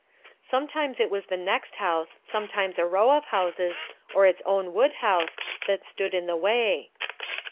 Sometimes it was the next house, sometimes a row of houses, or its own wood house, that stood in the way.